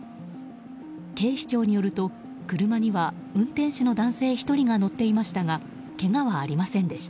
警視庁によると車には運転手の男性１人が乗っていましたがけがはありませんでした。